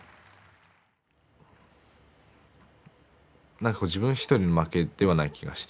何か自分一人の負けではない気がして。